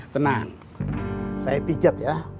tenang saya pijat ya